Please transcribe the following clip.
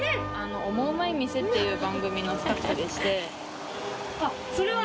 オモウマい店」っていう番組のスタッフで。